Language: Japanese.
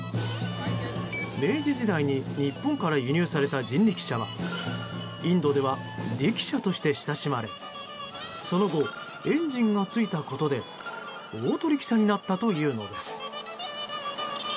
明治時代に日本から輸入された人力車はインドではリキシャとして親しまれその後、エンジンがついたことでオートリキシャになったというのです。